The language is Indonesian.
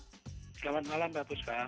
selamat malam mbak puska